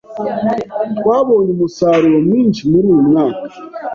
Twabonye umusaruro mwinshi muri uyu mwaka.